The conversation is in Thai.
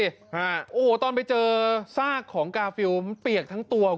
โอ้โฮตอนไปเจอซากของกาฟิลล์มันเปียกทั้งตัวคุณผู้ชม